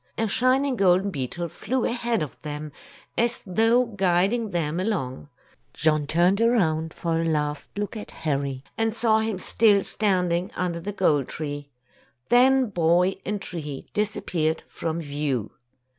A shining golden beetle flew ahead of them, as though guiding them along. John turned around for a last look at Harry, and saw him still standing under the gold tree. Then boy and tree disappeared from view.